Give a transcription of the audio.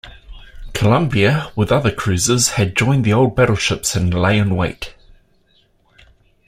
"Columbia" with other cruisers had joined the old battleships and lay in wait.